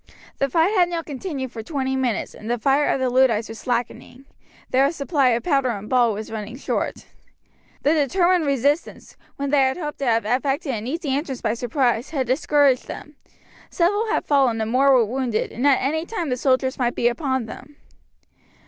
The fight had now continued for twenty minutes, and the fire of the Luddites was slackening; their supply of powder and ball was running short. The determined resistance, when they had hoped to have effected an easy entrance by surprise, had discouraged them; several had fallen and more were wounded, and at any time the soldiers might be upon them.